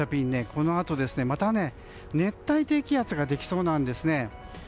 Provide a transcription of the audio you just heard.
このあとまた熱帯低気圧ができそうなんですね。